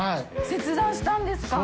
切断したんですか？